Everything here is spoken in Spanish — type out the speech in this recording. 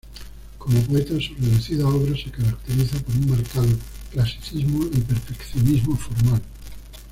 Como poeta, su reducida obra se caracteriza por un marcado clasicismo y perfeccionismo formal.